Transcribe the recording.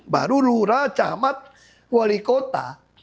baru lurah camat wali kota